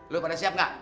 lo pada siap gak